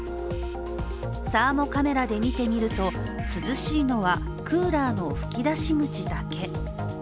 サーモカメラで見てみると涼しいのはクーラーの吹き出し口だけ。